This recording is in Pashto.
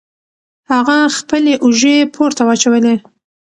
هغه خپلې اوژې پورته واچولې.